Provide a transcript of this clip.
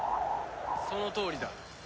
そのとおりだ。